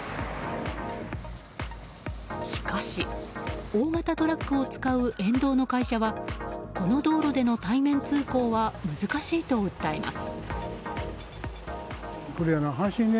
しかし、大型トラックを使う沿道の会社はこの道路での対面通行は難しいと訴えます。